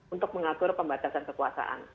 untuk mengatur pembatasan kekuasaan